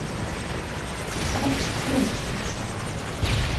— кусарыше пелештыш.